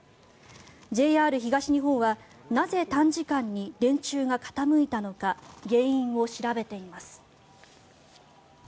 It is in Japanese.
ＪＲ東日本はなぜ、短時間に電柱が傾いたのか原因を調べています。